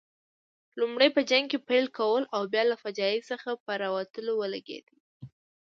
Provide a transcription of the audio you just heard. لومړی په جنګ پیل کولو او بیا له فاجعې څخه په راوتلو ولګېدې.